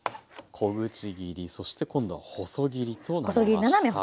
小口切りそして今度は細切りとなりました。